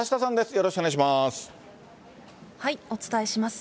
よろしくお願いします。